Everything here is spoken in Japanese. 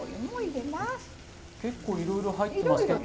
結構いろいろ入ってますけど。